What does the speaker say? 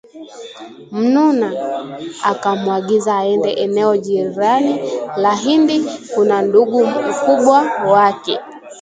mnuna, akamuagiza aende eneo jirani la Hindi kuna ndugu mkubwa wake